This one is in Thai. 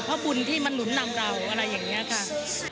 เพราะบุญที่มันหนุนนำเราอะไรอย่างนี้ค่ะ